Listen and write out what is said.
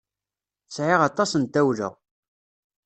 Sɛiɣ aṭas n tawla.